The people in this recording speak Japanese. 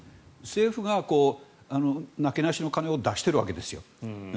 政府がなけなしの金を出しているわけですよ。